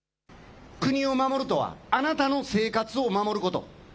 国を守るとはあなたの生活を守ること。